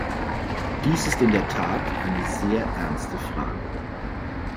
Dies ist in der Tat eine sehr ernste Frage.